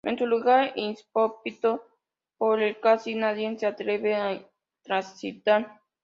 Es un lugar inhóspito por el que casi nadie se atreve a transitar.